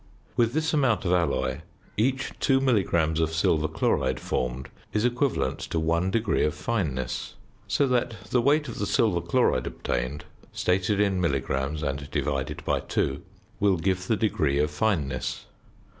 With this amount of alloy each 2 milligrams of silver chloride formed is equivalent to 1 degree of fineness, so that the weight of the silver chloride obtained (stated in milligrams and divided by 2) will give the degree of fineness.